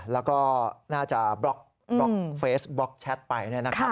แล้วก็น่าจะบล็อกเฟสบล็อกแชทไป